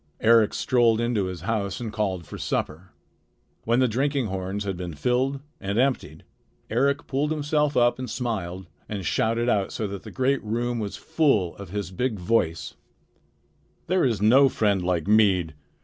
Eric strolled into his house and called for supper. When the drinking horns had been filled and emptied, Eric pulled himself up and smiled and shouted out so that the great room was full of his big voice: "There is no friend like mead.